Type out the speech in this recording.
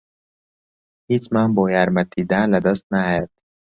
هیچمان بۆ یارمەتیدان لەدەست نایەت.